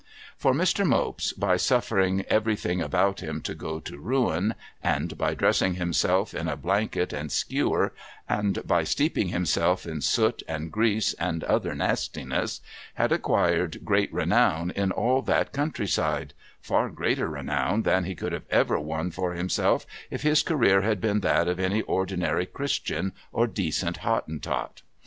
For, Mr. Mopes, by suffering everything about him to go to ruin, and by dressing himself in a blanket and skewer, and by steeping himself in soot and grease and other nastiness, had acquired great renown in all that country side — far greater renown than he could ever have won for himself, if his career had been that of any ordinary Christian, or decent Hottentot.